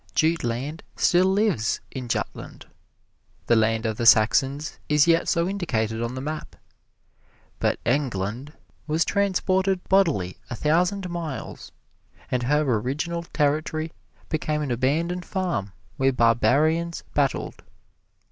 Jute Land still lives in Jutland; the land of the Saxons is yet so indicated on the map; but Eng Land was transported bodily a thousand miles, and her original territory became an abandoned farm where barbarians battled.